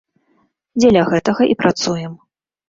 Дзеля гэтага і працуем.